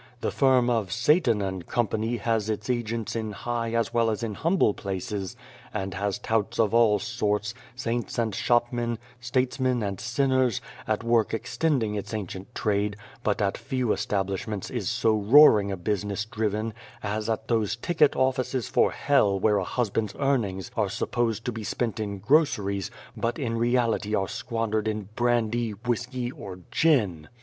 The firm of Satan & Co. has its agents in high as well as in humble places, and has touts of all sorts, saints and shopmen, statesmen and sinners, at work extending its ancient trade, but at few estab lishments is so roaring a business driven, as at those Ticket Offices for Hell where a husband's earnings are supposed to be spent in groceries, but in reality are squandered in brandy, whisky, or gin.